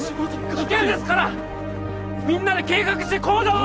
危険ですからみんなで計画して行動を！